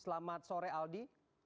selamat sore aldi